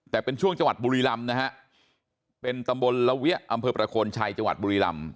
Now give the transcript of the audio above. แต่เป็นช่วงจังหวัดบุรีรำนะฮะเป็นตำบลละเวียอำเภอประโคนชัยจังหวัดบุรีรำ